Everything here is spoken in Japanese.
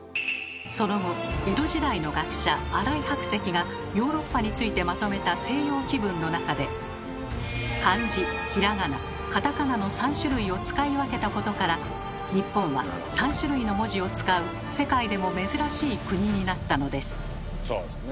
その後江戸時代の学者新井白石がヨーロッパについてまとめた「西洋紀聞」の中で漢字・ひらがな・カタカナの３種類を使い分けたことから日本は３種類の文字を使う世界でも珍しい国になったのです。